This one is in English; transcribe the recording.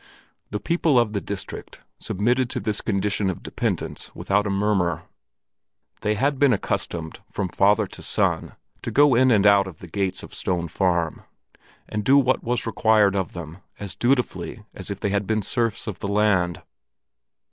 The people of the district submitted to this condition of dependence without a murmur. They had been accustomed, from father to son, to go in and out of the gates of Stone Farm, and do what was required of them, as dutifully as if they had been serfs of the land.